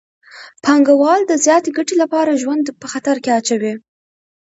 پانګوال د زیاتې ګټې لپاره ژوند په خطر کې اچوي